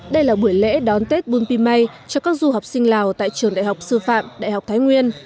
đây là buổi lễ đón tết bung pim may cho các du học sinh lào tại trường đại học sư phạm đại học thái nguyên